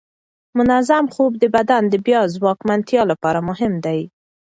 منظم خوب د بدن د بیا ځواکمنتیا لپاره مهم دی.